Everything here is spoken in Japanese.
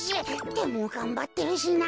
でもがんばってるしな。